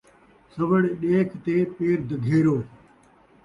سوّڑ ݙیکھ تے پیر دگھیرو